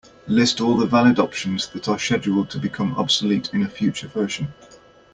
List all the valid options that are scheduled to become obsolete in a future version.